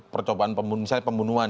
percobaan pembunuhan misalnya pembunuhan